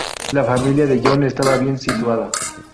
La familia de John estaba bien situada.